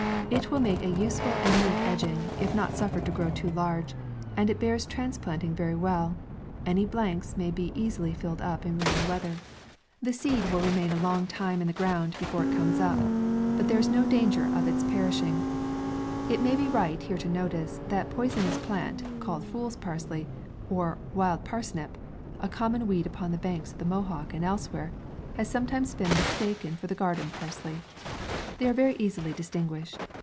It will make an use ful and neat edging, if not suffered to grow too large, and as it bears transplanting very well, aftiy blanks may be easily filled up in rainy weather. MAY. 75 The seed will remain a long time in the ground before it comes up, but there is no danger of its perishing. It may be right here to notice, that the poi sonous plant, called fool's parsley, or wild parsnip, a common weed upon the banks of the Mohawk and elsewhere, has sometimes been mistaken for the garden parsley. They are very easily distinguished.